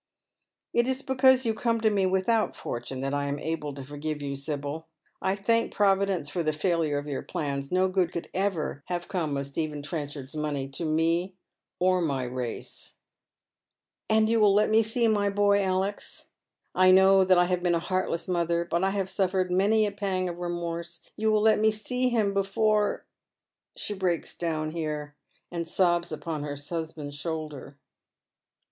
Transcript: " It is because you come to me without fortune that I am able to forgive you, Sibyl. I thank Providence for the failure of your plans. No good could ever have come of Stephen Tren chard's money to me or my race." " And you will let me see my boy, Alex. I know t^at I havpi been a heartless mother, but I have sulTered v^^j a pang of remorse. You will let me see him before " She breaks down here, and sobs upon her husband''s shoulder.